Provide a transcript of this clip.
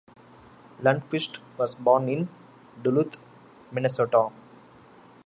Lundquist was born in Duluth, Minnesota.